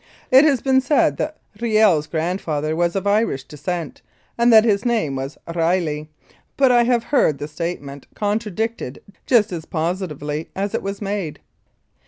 It has been said that Kiel's grandfather was of Irish descent, and that his name was Reilley, but I have heard the statement contradicted just as positively as it was made.